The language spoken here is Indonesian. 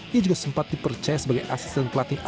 ia juga sempat dipercaya sebagai asisten pelatih